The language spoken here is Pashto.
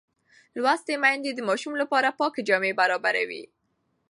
لوستې میندې د ماشوم لپاره پاکې جامې برابروي.